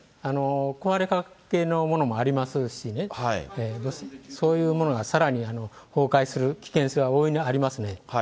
壊れかけのものもありますしね、そういうものがさらに崩壊する危険性は大いにありますので。